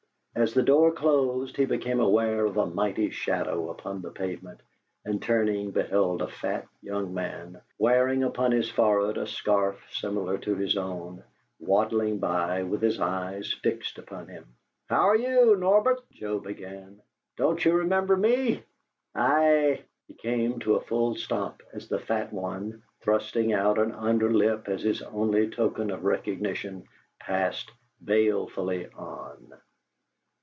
As the door closed, he became aware of a mighty shadow upon the pavement, and turning, beheld a fat young man, wearing upon his forehead a scar similar to his own, waddling by with eyes fixed upon him. "How are you, Norbert?" Joe began. "Don't you remember me? I " He came to a full stop, as the fat one, thrusting out an under lip as his only token of recognition, passed balefully on.